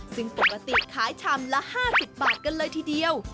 ซึ่งปกติขายชามละ๕๐บาทกันเลยทีเดียว